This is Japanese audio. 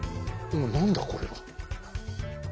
何だこれは。